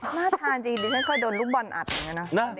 น่าทานจริงดิฉันเคยโดนลูกบอลอัดอย่างนี้นะ